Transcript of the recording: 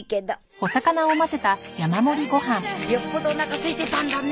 あらあらよっぽどおなかすいてたんだね。